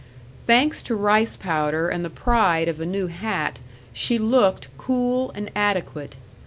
Thanks to rice powder and the pride of a new hat, she looked cool and adequate.